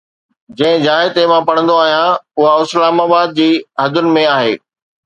جنهن جاءِ تي مان پڙهندو آهيان، اها اسلام آباد جي حدن ۾ آهي